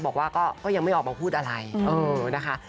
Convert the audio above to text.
บอกว่าก็ยังไม่ออกมาพูดอะไรนะคะ